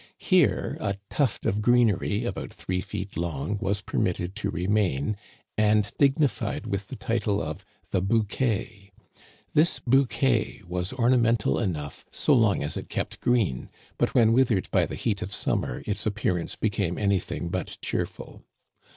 Here a tuft of greenery, about three feet long, was permitted to remain, and dignified with the title of the bouquet. This " bouquet " was ornamental enough so long as it kept green, but when wittered by the heat of summer its appearance became anything but cheerful.